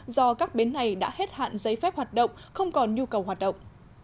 do các bến này đã hết hạn giấy phép hoạt động không còn nhu cầu hoạt động